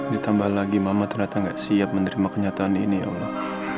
ditambah lagi mama ternyata nggak siap menerima kenyataan ini allah